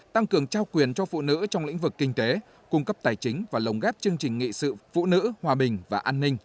tăng cường trao quyền cho phụ nữ trong lĩnh vực kinh tế cung cấp tài chính và lồng ghép chương trình nghị sự phụ nữ hòa bình và an ninh